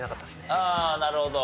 ああなるほど。